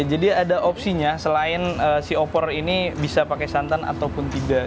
jadi ada opsinya selain si opor ini bisa pakai santan ataupun tidak